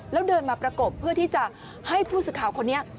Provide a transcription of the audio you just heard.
แล้วเดินมาประกบเพื่อที่จะให้ผู้สื่อข่าวคนนี้